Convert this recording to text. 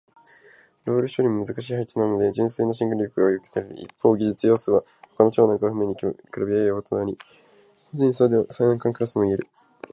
ロール処理も難しい配置なので純粋なシングル力が要求される。一方、技術要素は他の超難関の譜面に比べやや劣り、個人差では難関クラスとも言える。